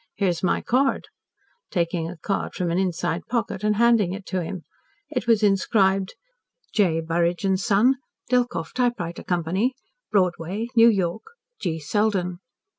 Here's my card," taking a card from an inside pocket and handing it to him. It was inscribed: J. BURRIDGE & SON, DELKOFF TYPEWRITER CO. BROADWAY, NEW YORK. G. SELDEN.